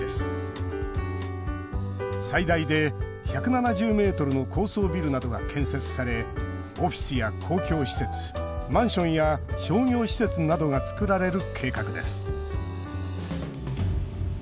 最大で１７０ｍの高層ビルなどが建設されオフィスや公共施設マンションや商業施設などが造られる計画です。